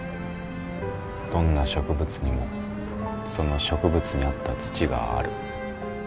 どんな植物にもその植物に合った土がある。